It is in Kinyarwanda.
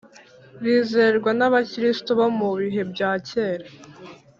bizerwa n’abakristo bo mu bihe bya kera.